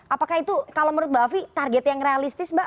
apakah itu kalau menurut mbak afi target yang realistis mbak